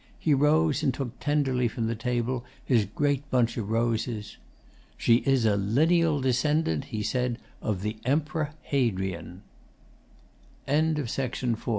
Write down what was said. He rose and took tenderly from the table his great bunch of roses. 'She is a lineal descendant,' he said, 'of the Emperor Hadrian.' 'SAVONAROLA' BROWN